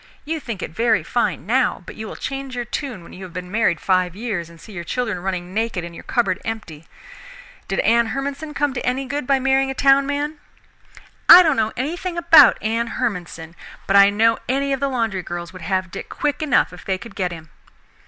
You think it very fine now, but you will change your tune when you have been married five years and see your children running naked and your cupboard empty. Did Anne Hermanson come to any good end by marrying a town man?" "I don't know anything about Anne Hermanson, but I know any of the laundry girls would have Dick quick enough if they could get him."